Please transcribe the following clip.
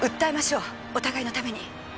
お互いのために。